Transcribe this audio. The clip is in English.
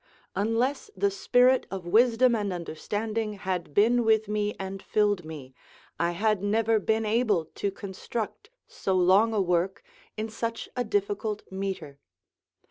"Unless the spirit of wisdom and understanding had been with me and filled me, I had never been able to construct so long a work in such a difficult metre."